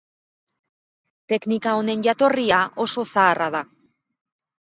Teknika honen jatorria oso zaharra da.